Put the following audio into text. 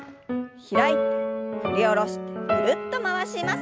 開いて振り下ろしてぐるっと回します。